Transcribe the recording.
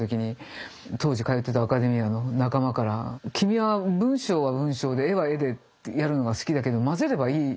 当時通っていたアカデミアの仲間から「君は文章は文章で絵は絵でやるのが好きだけどまぜればいいじゃん。